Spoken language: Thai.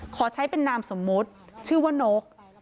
ขอใช้เป็นนามสมมุติชื่อว่านก